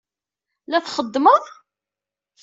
La txeddmeḍ?